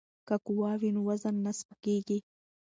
که قوه وي نو وزن نه سپکیږي.